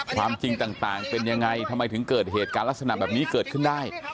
ความจริงต่างเป็นยังไงทำไมถึงเกิดเหตุการณ์ลักษณะแบบนี้เกิดขึ้นได้